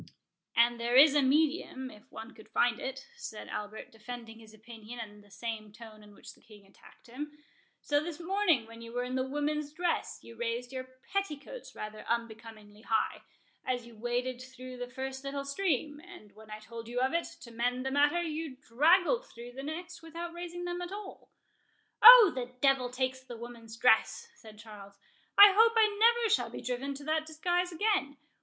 "And there is a medium, if one could find it," said Albert, defending his opinion in the same tone in which the King attacked him; "so this morning, when you were in the woman's dress, you raised your petticoats rather unbecomingly high, as you waded through the first little stream; and when I told you of it, to mend the matter, you draggled through the next without raising them at all." "O, the devil take the woman's dress!" said Charles; "I hope I shall never be driven to that disguise again.